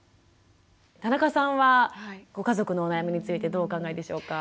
田中さんはご家族のお悩みについてどうお考えでしょうか？